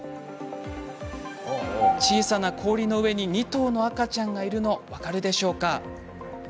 小さな氷の上に２頭の赤ちゃんがいるのが分かるでしょうか。